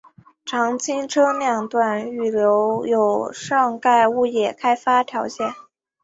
常青车辆段预留有上盖物业开发条件。